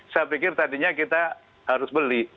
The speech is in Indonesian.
saya pikir tadinya kita harus beli